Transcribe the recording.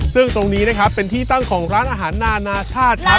ซึ่งตรงนี้นะครับเป็นที่ตั้งของร้านอาหารนานาชาติครับ